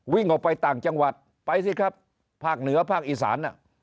วิ่งออกไปต่างจังหวัดไปสิครับภาคเหนือภาคอีสาน